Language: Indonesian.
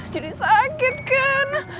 jadi sakit kan